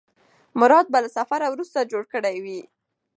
مراد به له سفر وروسته کور جوړ کړی وي.